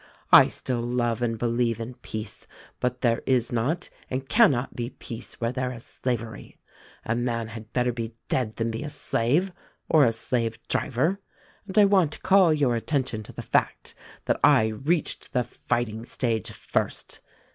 I still love and believe in Peace ; but there is not and cannot be Peace where there is Slavery. A man had better be dead than be a slave — or a slave driver ! And I want to call your attention to the fact that I reached the fighting stage first.